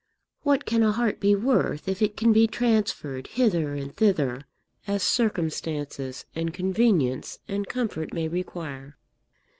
"What can a heart be worth if it can be transferred hither and thither as circumstances and convenience and comfort may require?